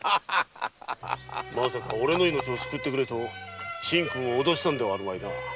まさか俺の命を救ってくれと神君を脅したのではあるまいな。